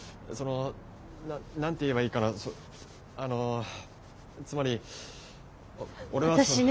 その何て言えばいいかなあのつまり俺はさ。